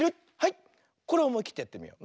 これおもいきってやってみよう。